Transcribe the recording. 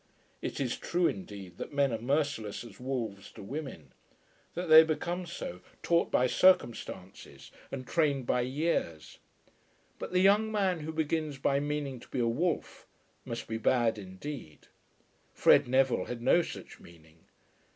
It is true, indeed, that men are merciless as wolves to women, that they become so, taught by circumstances and trained by years; but the young man who begins by meaning to be a wolf must be bad indeed. Fred Neville had no such meaning.